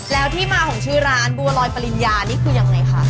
แล้วที่มาของชื่อร้านบัวลอยปริญญานี่คือยังไงคะ